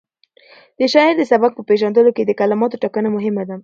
د شاعر د سبک په پېژندلو کې د کلماتو ټاکنه مهمه ده.